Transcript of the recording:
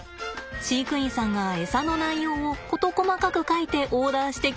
飼育員さんがエサの内容を事細かく書いてオーダーしてきます。